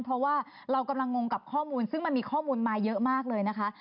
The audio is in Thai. เพราะว่าเรากำลังงงกับข้อมูลซึ่งมันมีข้อมูลมาเยอะมากเลยนะคะ